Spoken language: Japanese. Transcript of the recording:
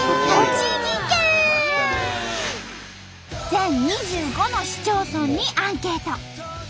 全２５の市町村にアンケート。